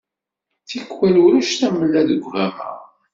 Tikwal ulac tamella deg ugama.